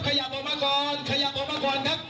ขยับออกมาก่อนขยับออกมาก่อนครับ